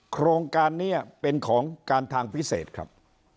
โครงการนี้เป็นของการทางพิเศษครับ